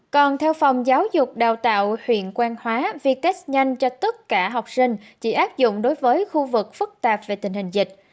còn theo phòng giáo dục đào tạo huyện quan hóa vitast nhanh cho tất cả học sinh chỉ áp dụng đối với khu vực phức tạp về tình hình dịch